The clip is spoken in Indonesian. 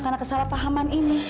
karena kesalahpahaman ini